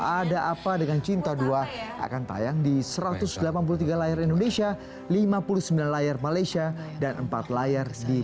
ada apa dengan cinta dua akan tayang di satu ratus delapan puluh tiga layar indonesia lima puluh sembilan layar malaysia dan empat layar